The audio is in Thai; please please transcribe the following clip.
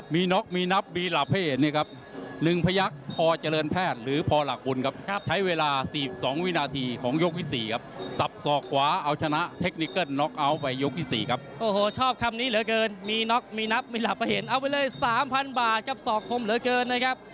มีน็อคมีนับมีหลับเผ่นเอาไว้เลย๓๐๐๐บาทกับ๒คมเหลือเกินนะครับ